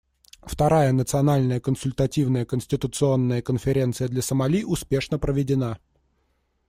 Вторая Национальная консультативная конституционная конференция для Сомали успешно проведена.